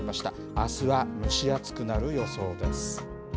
あすは蒸し暑くなる予想です。